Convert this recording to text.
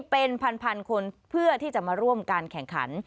เป็นพันคนเพื่อที่จะมาร่วมการแข่งขัน